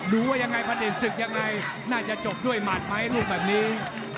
ดูว่ายังไงพระเด็จศึกยังไงน่าจะจบด้วยหมัดไหมลูกแบบนี้